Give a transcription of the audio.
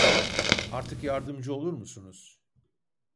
Artık yardımcı olur musunuz